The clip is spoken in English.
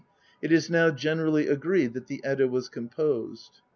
it is now generally agreed that the Edda was composed.